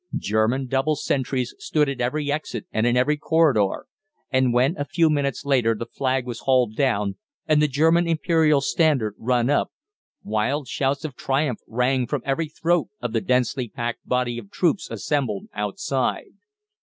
German double sentries stood at every exit and in every corridor, and when a few minutes later the flag was hauled down and the German Imperial Standard run up, wild shouts of triumph rang from every throat of the densely packed body of troops assembled outside.